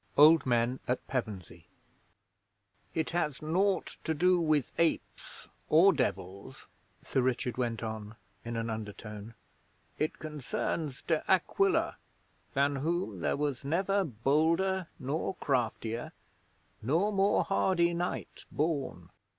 OLD MEN AT PEVENSEY 'It has naught to do with apes or Devils,'Sir Richard went on, in an undertone. 'It concerns De Aquila, than whom there was never bolder nor craftier, nor more hardy knight born.